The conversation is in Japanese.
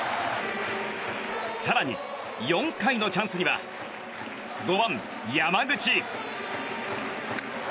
更に、４回のチャンスには５番、山口。